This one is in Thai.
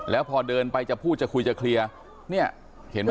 แล้วพอเดินไปจะพูดจะคุยจะเคลียร์เนี่ยเห็นไหม